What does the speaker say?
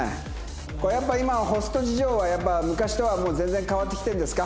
やっぱ今はホスト事情は昔とはもう全然変わってきてるんですか？